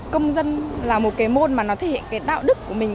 công dân là một cái môn mà nó thể hiện cái đạo đức của mình